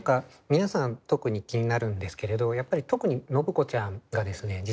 皆さん特に気になるんですけれどやっぱり特に信子ちゃんがですね